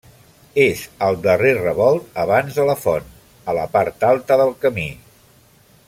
És al darrer revolt abans de la font, a la part alta del camí.